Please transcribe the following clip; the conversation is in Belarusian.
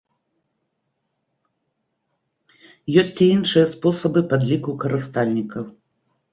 Ёсць і іншыя спосабы падліку карыстальнікаў.